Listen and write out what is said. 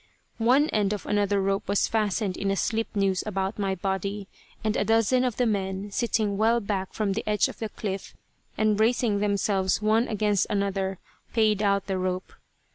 One end of another rope was fastened in a slip noose about my body, and a dozen of the men, sitting well back from the edge of the cliff and bracing themselves one against another, paid out the rope.